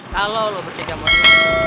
kalau lo bertiga mau